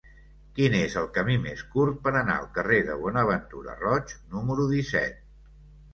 Quin és el camí més curt per anar al carrer de Bonaventura Roig número disset?